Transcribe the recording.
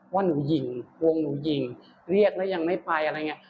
ว่าหนูยิงวงหนูยิงเรียกแล้วยังไม่ไปอะไรอย่างนี้